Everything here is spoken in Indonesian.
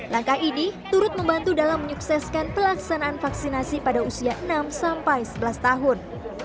langkah ini turut membantu dalam menyukseskan pelaksanaan vaksinasi pada usia enam sampai sebelas tahun